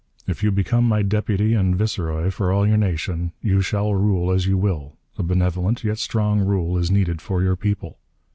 If you become my deputy and viceroy for all your nation, you shall rule as you will. A benevolent, yet strong, rule is needed for your people.